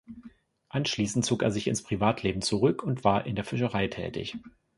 Anschließend zog er sich ins Privatleben zurück und war in der Fischerei tätig.